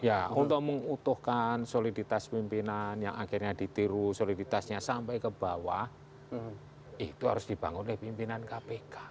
ya untuk mengutuhkan soliditas pimpinan yang akhirnya ditiru soliditasnya sampai ke bawah itu harus dibangun oleh pimpinan kpk